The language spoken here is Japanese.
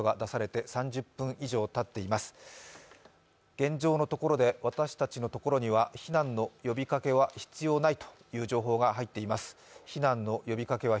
現状のところで私たちのところには私たちの呼びかけは必要ないという情報が入っています。